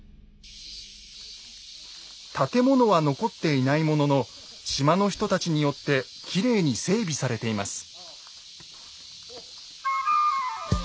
建物は残っていないものの島の人たちによってきれいに整備されています。